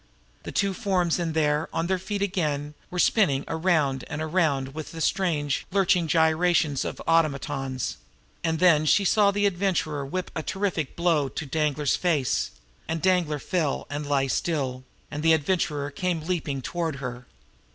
The two forms in there, on their feet again, were spinning around and around with the strange, lurching gyrations of automatons and then she saw the Adventurer whip a terrific blow to Danglar's face and Danglar fall and lie still and the Adventurer come leaping toward her.